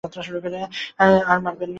আর মারবেন না।